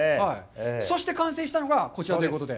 そして完成したのがこちらということで。